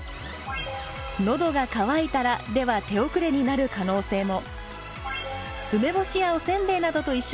「のどが渇いたら」では手遅れになる可能性も。